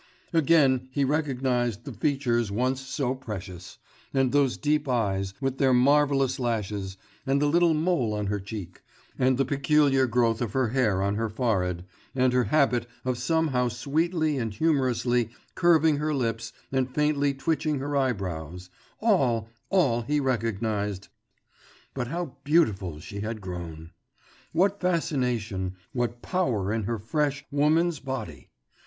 Again he recognised the features once so precious, and those deep eyes, with their marvellous lashes, and the little mole on her cheek, and the peculiar growth of her hair on her forehead, and her habit of somehow sweetly and humorously curving her lips and faintly twitching her eyebrows, all, all he recognised.... But how beautiful she had grown! What fascination, what power in her fresh, woman's body!